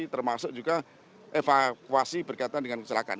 termasuk juga evakuasi berkaitan dengan kecelakaan